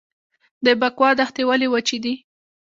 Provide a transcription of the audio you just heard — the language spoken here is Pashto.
د بکوا دښتې ولې وچې دي؟